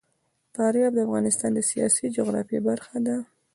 فاریاب د افغانستان د سیاسي جغرافیه برخه ده.